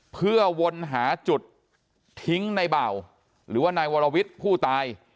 เพื่อวนหาจุดทิ้งในเบาหรือว่านายวรวิทย์ผู้ตาย